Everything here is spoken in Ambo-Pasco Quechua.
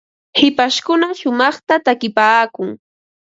hipashkuna shumaqta takipaakun.